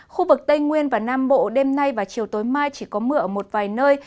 khu vực tây nguyên và nam bộ đêm nay và chiều tối mai chỉ có mưa ở một vài nơi